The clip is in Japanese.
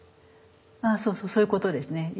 あそうそうそういうことですね。